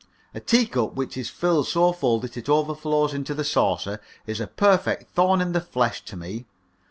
A teacup which is filled so full that it overflows into the saucer is a perfect thorn in the flesh to me.